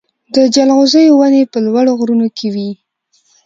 د جلغوزیو ونې په لوړو غرونو کې وي.